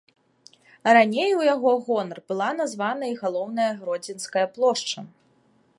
Раней у яго гонар была названа і галоўная гродзенская плошча.